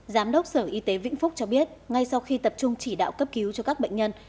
giám đốc sở y tế vĩnh phúc cho biết ngay sau khi tập trung chỉ đạo cấp cứu cho các bệnh nhân